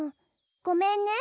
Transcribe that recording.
ごめんね。